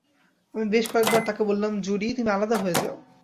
আমি বেশ কয়েক বার তাকে বললাম, জুডি, তুমি আলাদা হয়ে যাও!